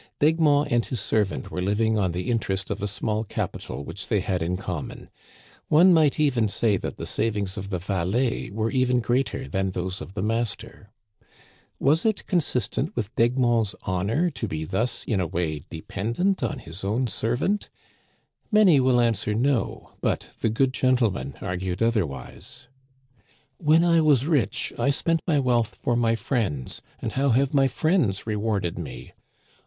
D'Egmont and his servant were living on the interest of a small capital which they had in common. One might even say that the savings of the valet were even greater than those of the master. Was it consistent with D'Egmont's honor to be thus, in a way, dependent on his own servant ? Many will answer no ; but " the good gentleman " argued otherwise. When I was rich I spent my wealth for my friends, and how have my friends rewarded me